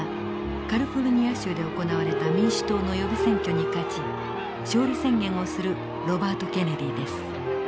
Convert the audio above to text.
カリフォルニア州で行われた民主党の予備選挙に勝ち勝利宣言をするロバート・ケネディです。